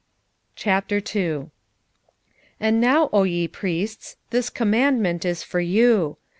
2:1 And now, O ye priests, this commandment is for you.